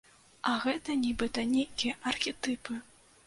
А гэта нібыта нейкія архетыпы.